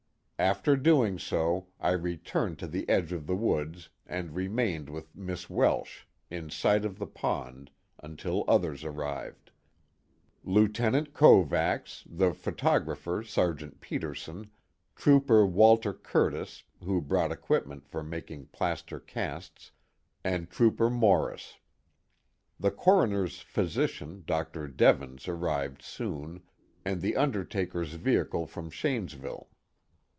After doing so, I returned to the edge of the woods and remained with Miss Welsh, in sight of the pond, until others arrived: Lieutenant Kovacs, the photographer Sergeant Peterson, Trooper Walter Curtis who brought equipment for making plaster casts, and Trooper Morris. The coroner's physician Dr. Devens arrived soon, and the undertaker's vehicle from Shanesville.